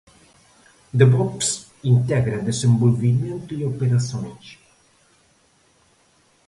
DevOps integra desenvolvimento e operações.